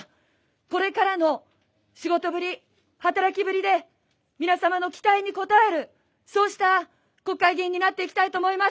これからの仕事ぶり、働きぶりで、皆様の期待に応える、そうした国会議員になっていきたいと思います。